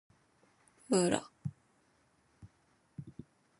服了